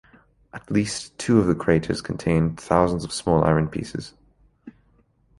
At least two of the craters contained thousands of small iron pieces.